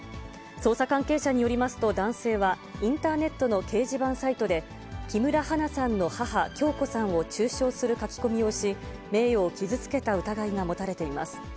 捜査関係者によりますと男性は、インターネットの掲示板サイトで、木村花さんの母、響子さんを中傷する書き込みをし、名誉を傷つけた疑いが持たれています。